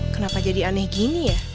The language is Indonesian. kenapa jadi aneh gini